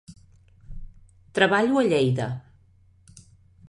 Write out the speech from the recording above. Treballo a Lleida.